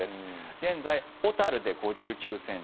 現在、小樽で５９ｃｍ